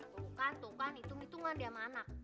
bukan bukan hitung hitungan deh sama anak